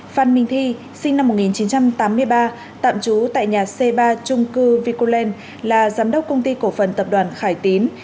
phan minh thi sinh năm một nghìn chín trăm tám mươi ba tạm trú tại nhà c ba trung cư vicoland là giám đốc công ty cổ phần tập đoàn khải tín